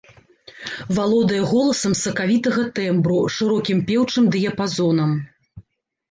Валодае голасам сакавітага тэмбру, шырокім пеўчым дыяпазонам.